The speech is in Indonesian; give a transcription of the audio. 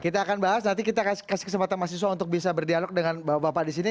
kita akan bahas nanti kita kasih kesempatan mahasiswa untuk bisa berdialog dengan bapak bapak di sini